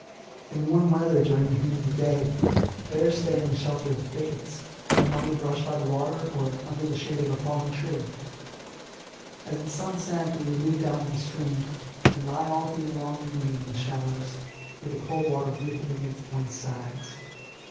In warm weather, during the heat of the day, bears stay in the shelter of thickets, among the brush by the water or under the shade of a fallen tree. As the sun sank we would move down to the stream, and lie all through the long evening in the shallows, where the cold water rippled against one's sides.